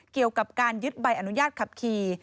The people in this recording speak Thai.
เกี่ยวกับการยึดใบอนุญาตขับขี่